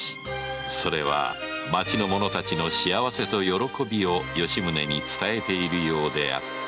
それは町の者達の幸せと喜びを吉宗に伝えているようであった